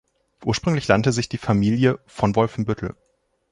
Ursprünglich nannte sich die Familie „von Wolfenbüttel“.